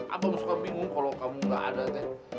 bapak mau suka bingung kalau kamu nggak ada teh